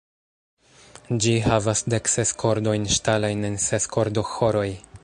Ĝi havas dekses kordojn ŝtalajn en ses kordoĥoroj.